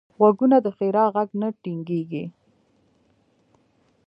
غوږونه د ښیرا غږ نه تنګېږي